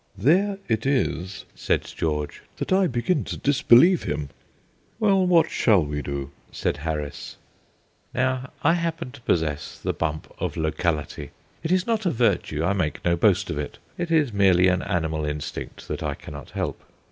"There it is," said George, "that I begin to disbelieve him." "Well, what shall we do?" said Harris. Now I happen to possess the bump of locality. It is not a virtue; I make no boast of it. It is merely an animal instinct that I cannot help.